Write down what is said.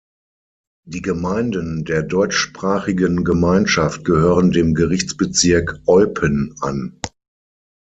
Die Gemeinden der Deutschsprachigen Gemeinschaft gehören dem Gerichtsbezirk Eupen an.